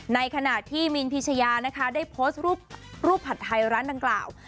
ในขณะที่มินพิชยานะคะได้โพสต์รูปผัดไทยร้านดังกล่าว